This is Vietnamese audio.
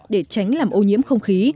để tránh làm ô nhiễm không khí